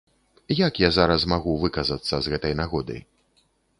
Як я зараз магу выказацца з гэтай нагоды?